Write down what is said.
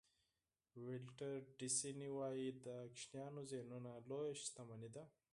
ولټر ډیسني وایي د ماشومانو ذهنونه لویه شتمني ده.